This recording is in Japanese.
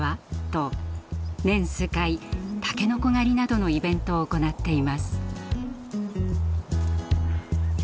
と年数回たけのこ狩りなどのイベントを行っています。